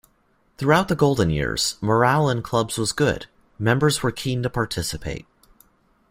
Throughout the golden years morale in clubs was good, members were keen to participate.